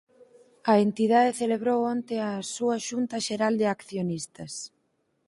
A entidade celebrou onte a súa Xunta Xeral de accionistas.